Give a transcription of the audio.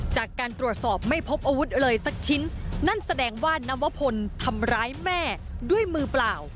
จากการตรวจสอบไม่พบอาวุธเลยสักชิ้นนั่นแสดงว่านวพลทำร้ายแม่ด้วยมือเปล่า